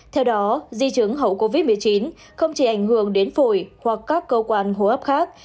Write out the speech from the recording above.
theo đó di chứng hậu covid một mươi chín không chỉ ảnh hưởng đến phổi hoặc các cơ quan hô hấp khác